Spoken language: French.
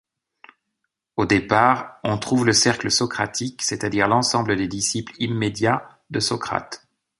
Au départ, on trouve le cercle socratique, c’est-à-dire l’ensemble des disciples immédiats de Socrate.